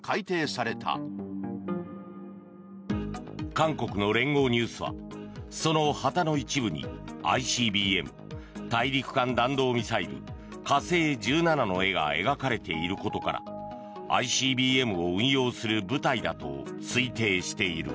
韓国の連合ニュースはその旗の一部にＩＣＢＭ・大陸間弾道ミサイル火星１７の絵が描かれていることからＩＣＢＭを運用する部隊だと推定している。